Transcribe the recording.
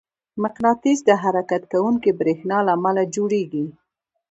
مقناطیس د حرکت کوونکي برېښنا له امله جوړېږي.